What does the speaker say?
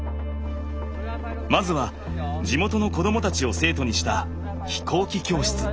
まずは地元の子供たちを生徒にした飛行機教室。